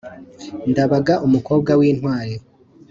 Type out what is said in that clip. Ndabaga umukobwa w intwari